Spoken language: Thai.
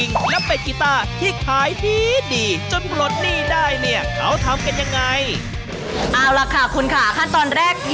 นะคะนี่ตัดคอก่อน